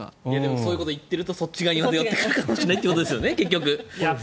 そういうことを言っているとそっち側にまた寄ってくるかもしれないってことですよね。